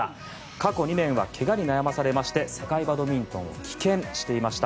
過去２年、けがに悩まされまして世界バドミントンを棄権していました。